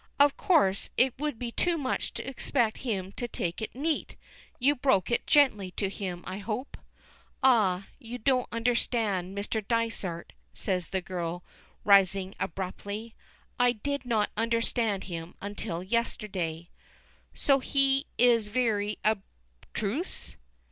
"Of course, it would be too much to expect him to take it neat. You broke it gently to him I hope." "Ah, you don't understand Mr. Dysart," says the girl, rising abruptly. "I did not understand him until yesterday." "Is he so very abstruse?"